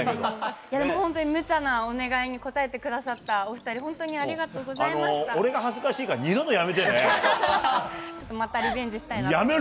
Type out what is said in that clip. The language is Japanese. いやでも、本当にむちゃなお願いに応えてくださったお２人、本当にありがと俺が恥ずかしいから、二度とまたリベンジしたいなと思いやめろ！